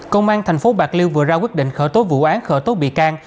công an thành phố bạc liêu vừa ra quyết định khởi tố vụ án khởi tố bị can